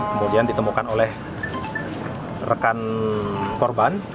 kemudian ditemukan oleh rekan korban